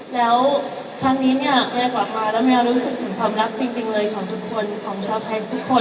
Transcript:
แล้วครั้งนี้เนี่ยเมย์กลับมาแล้วแมวรู้สึกถึงความรักจริงเลยของทุกคนของชาวไทยทุกคน